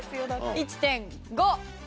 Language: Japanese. １．５。